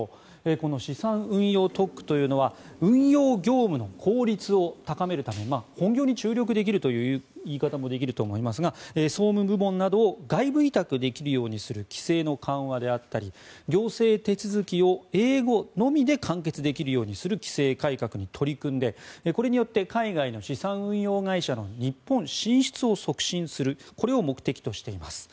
この資産運用特区というのは運用業務の効率を高めるため本業に注力できるという言い方もできると思いますが総務部門などを外部委託できるようにする規制の緩和であったり行政手続きを英語のみで完結できるようにする規制改革に取り組んでこれによって海外の資産運用会社の日本進出を促進するこれを目的としています。